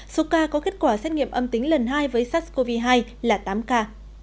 số ca có kết quả xét nghiệm âm tính lần hai với sars cov hai là tám ca